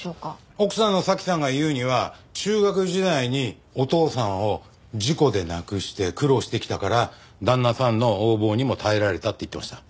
奥さんの早紀さんが言うには中学時代にお父さんを事故で亡くして苦労してきたから旦那さんの横暴にも耐えられたって言ってました。